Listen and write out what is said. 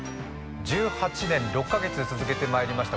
１８年６カ月続けてまいりました